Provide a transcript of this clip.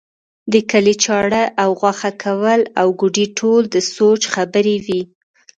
د کلي چاړه او غوښه کول او کوډې ټول د سوچ خبرې وې.